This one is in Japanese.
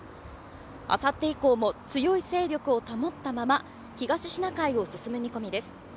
あさって以降も強い勢力を保ったまま東シナ海を進む見込みです。